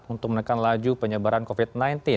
untuk menekan laju penyebaran covid sembilan belas